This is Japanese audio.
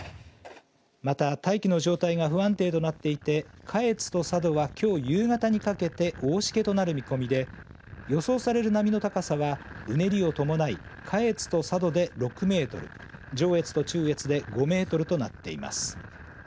また、大気の状態が不安定となっていて下越と佐渡はきょう夕方にかけて大しけとなる見込みで予想される波の高さはうねりを伴い下越と佐渡で６メートル上越と中越で５メートルとなっています。